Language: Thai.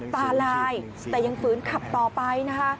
ตาลายแต่ยังฝืนขับต่อไปนะคะ